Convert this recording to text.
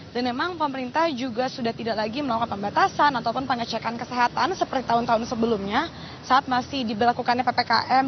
dan memang pemerintah juga sudah tidak lagi melakukan pembatasan ataupun pengecekan kesehatan seperti tahun tahun sebelumnya saat masih diberlakukannya ppkm